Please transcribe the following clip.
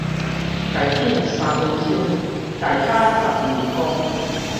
台頂三分鐘，台跤十年功